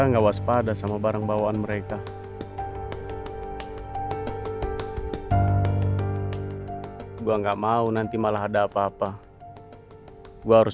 enggak waspada sama barang bawaan mereka gua enggak mau nanti malah ada apa apa gua harus